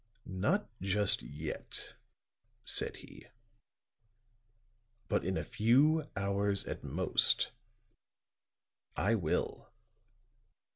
"Not just yet," said he, "but in a few hours at most, I will."